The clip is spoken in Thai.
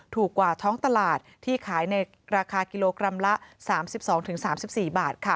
ถูกกว่าท้องตลาดที่ขายในราคากิโลกรัมละ๓๒๓๔บาทค่ะ